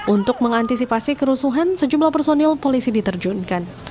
untuk mengantisipasi kerusuhan sejumlah personil polisi diterjunkan